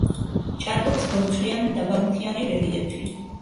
ჭარბობს ბორცვიან-დაბალმთიანი რელიეფი.